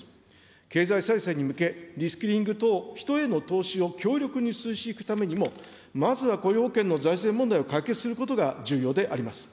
経済再生に向け、リスキリング等、人への投資を強力に推進していくためにも、まずは雇用保険の財政問題を解決することが重要であります。